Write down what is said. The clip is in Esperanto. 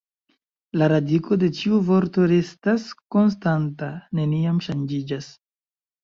La radiko de ĉiu vorto restas konstanta, neniam ŝanĝiĝas.